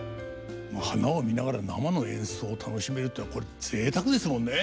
花を見ながら生の演奏を楽しめるっていうのはこれぜいたくですもんね。